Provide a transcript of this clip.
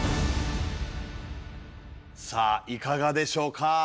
さあいかがでしょうか？